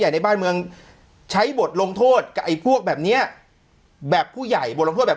ในบ้านเมืองใช้บทลงโทษกับไอ้พวกแบบเนี้ยแบบผู้ใหญ่บทลงโทษแบบ